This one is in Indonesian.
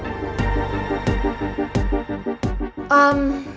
eh kita datang waktu yang tepat